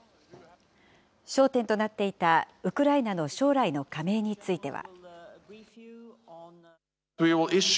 焦点となっていたウクライナの将来の加盟については。